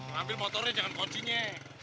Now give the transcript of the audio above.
ngambil motornya jangan kocinya